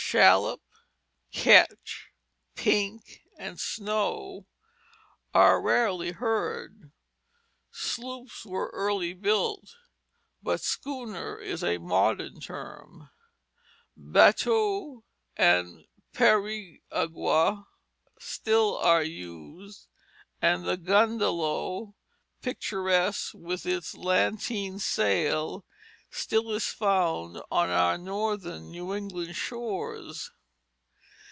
Shallop, ketch, pink, and snow are rarely heard. Sloops were early built, but schooner is a modern term. Batteau and periagua still are used; and the gundalow, picturesque with its lateen sail, still is found on our northern New England shores.